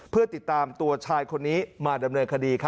เพื่อติดตามตัวชายคนนี้มาดำเนินคดี